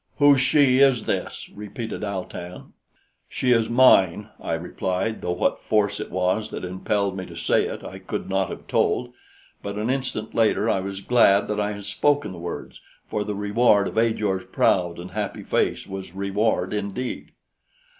"Whose she is this?" repeated Al tan. "She is mine," I replied, though what force it was that impelled me to say it I could not have told; but an instant later I was glad that I had spoken the words, for the reward of Ajor's proud and happy face was reward indeed.